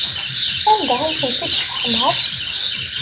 Anda ay tent-id-tesseḥmaḍ?